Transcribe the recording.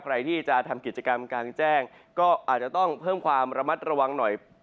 ใครที่จะทำกิจกรรมกลางแจ้งก็อาจจะต้องเพิ่มความระมัดระวังหน่อย